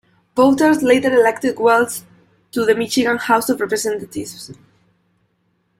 Voters later elected Wells to the Michigan House of Representatives.